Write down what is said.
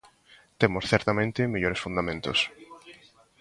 Temos certamente mellores fundamentos.